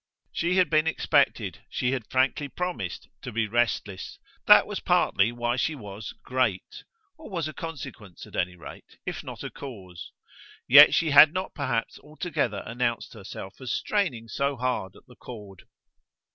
She had been expected, she had frankly promised, to be restless that was partly why she was "great" or was a consequence, at any rate, if not a cause; yet she had not perhaps altogether announced herself as straining so hard at the cord.